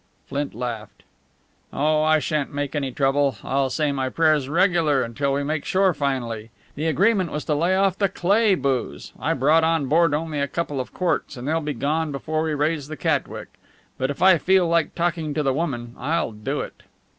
Flint laughed. "Oh, I shan't make any trouble. I'll say my prayers regular until we make shore finally. The agreement was to lay off the Cleigh booze. I brought on board only a couple of quarts, and they'll be gone before we raise the Catwick. But if I feel like talking to the woman I'll do it."